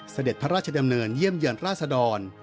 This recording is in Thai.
เสด็จพระราชดำเนินเยี่ยมเยือนราษดร